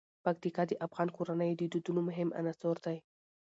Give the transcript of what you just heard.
پکتیکا د افغان کورنیو د دودونو مهم عنصر دی.